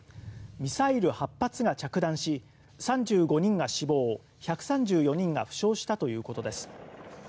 ミサイル８発が着弾し３５人が死亡１３４人が負傷したということです。